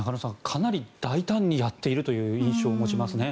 かなり大胆にやっているという印象を持ちますね。